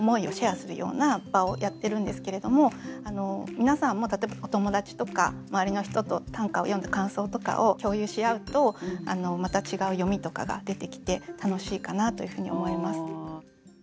皆さんも例えばお友達とか周りの人と短歌を読んだ感想とかを共有し合うとまた違う読みとかが出てきて楽しいかなというふうに思います。